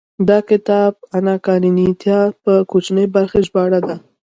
دا کتاب اناکارينينا د کوچنۍ برخې ژباړه ده.